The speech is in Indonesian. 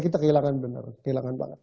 kita kehilangan benar kehilangan banget